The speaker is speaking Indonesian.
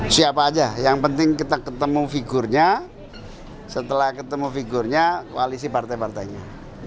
siapa aja yang penting kita ketemu figurnya setelah ketemu figurnya koalisi partai partainya